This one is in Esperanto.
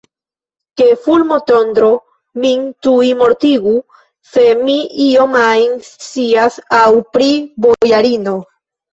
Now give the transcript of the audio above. Ke fulmotondro min tuj mortigu, se mi ion ajn scias aŭ pri bojarino!